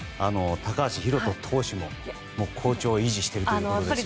高橋宏斗投手も好調を維持しているということですけどね。